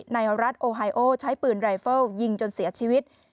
ในรัฐโอไฮโอใช้ปืนรายเฟิลยิงจนเสียชีวิต